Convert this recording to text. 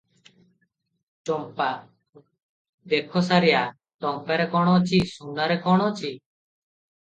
ଚମ୍ପା - "ଦେଖ ସାରିଆ, ଟଙ୍କାରେ କଣ ଅଛି ସୁନାରେ କଣ ଅଛି?